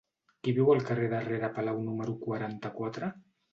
Qui viu al carrer de Rere Palau número quaranta-quatre?